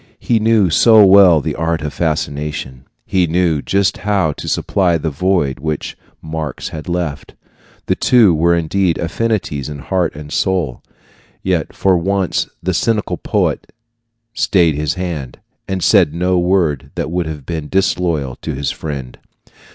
He knew so well the art of fascination; he knew just how to supply the void which Marx had left. The two were indeed affinities in heart and soul; yet for once the cynical poet stayed his hand, and said no word that would have been disloyal to his friend.